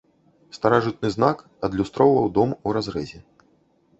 Старажытны знак адлюстроўваў дом у разрэзе.